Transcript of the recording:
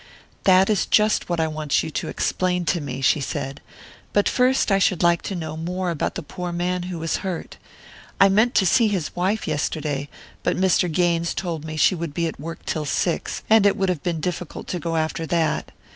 "That is just what I want you to explain to me," she said. "But first I should like to know more about the poor man who was hurt. I meant to see his wife yesterday, but Mr. Gaines told me she would be at work till six, and it would have been difficult to go after that.